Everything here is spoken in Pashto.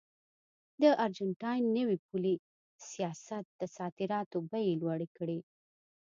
د ارجنټاین نوي پولي سیاست د صادراتو بیې لوړې کړې.